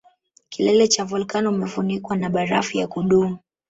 Kilele cha volkano umefunikwa na barafu ya kudumu